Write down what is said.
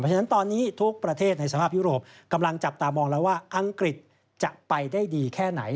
ฉะนั้นตอนนี้ทุกประเทศในสภาพยุโรปกำลังจับตามองแล้วว่าอังกฤษจะไปได้ดีแค่ไหน